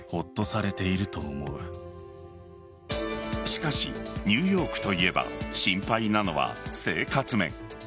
しかしニューヨークといえば心配なのは生活面。